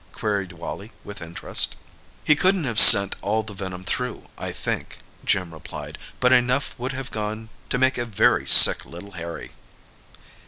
queried Wally, with interest. "He couldn't have sent all the venom through, I think," Jim replied. "But enough would have gone to make a very sick little Harry."